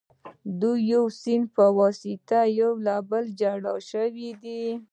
دوی د یو سیند په واسطه له یو بله جلا شوي دي.